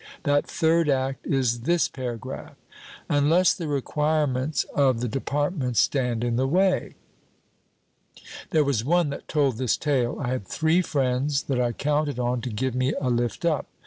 That third act is this paragraph, "Unless the requirements of the Departments stand in the way."' There was one that told this tale, 'I had three friends that I counted on to give me a lift up.